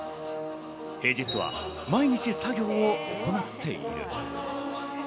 平日は毎日作業を行っている。